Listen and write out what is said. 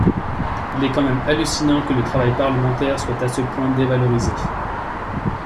Il est quand même hallucinant que le travail parlementaire soit à ce point dévalorisé.